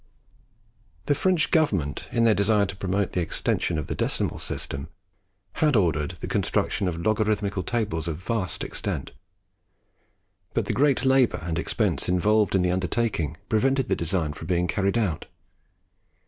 The French government, in their desire to promote the extension of the decimal system, had ordered the construction of logarithmical tables of vast extent; but the great labour and expense involved in the undertaking prevented the design from being carried out.